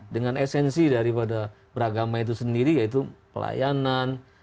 dengan esensi daripada beragama itu sendiri yaitu pelayanan